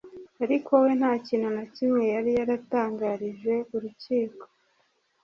ariko we nta kintu na kimwe yari yaratangarije urukiko